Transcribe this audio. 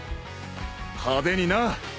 派手にな！